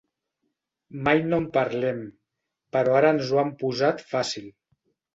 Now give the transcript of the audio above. Mai no en parlem, però ara ens ho han posat fàcil.